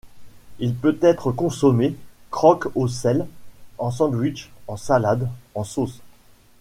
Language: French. Il peut être consommé croque-au-sel, en sandwich, en salade, en sauce.